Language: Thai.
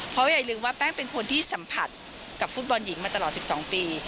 เพราะอย่าลืมว่าแป้งเป็นคนที่สัมผัสกับฟุตบอลหญิงมาตลอด๑๒ปี